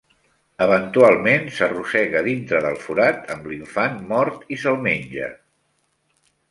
Eventualment, s'arrossega dintre del forat amb l'infant mort i s'el menja.